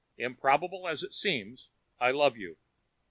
IMPROBABLE AS IT SEEMS, I LOVE YOU.